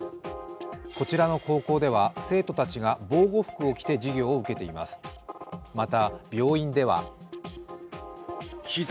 こちらの高校では生徒たちが防護服を着て授業を受けています。